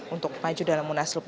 untuk maju dalam munaslup